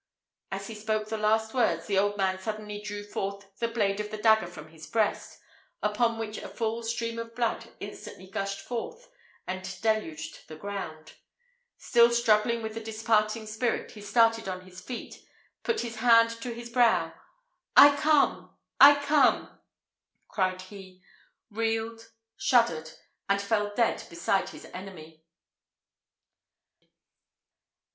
As he spoke the last words, the old man suddenly drew forth the blade of the dagger from his breast, upon which a full stream of blood instantly gushed forth and deluged the ground. Still struggling with the departing spirit, he started on his feet put his hand to his brow. "I come! I come!" cried he reeled shuddered and fell dead beside his enemy.